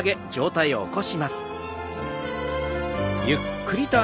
ゆっくりと。